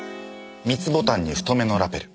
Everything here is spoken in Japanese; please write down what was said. ３つボタンに太めのラベル。